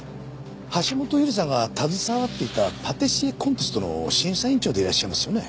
橋本優里さんが携わっていたパティシエコンテストの審査委員長でいらっしゃいますよね？